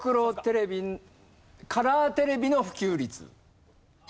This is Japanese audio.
カラーテレビの普及率。